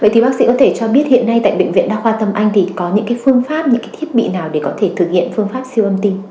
thì bác sĩ có thể cho biết hiện nay tại bệnh viện đa khoa tâm anh thì có những phương pháp những cái thiết bị nào để có thể thực hiện phương pháp siêu âm tim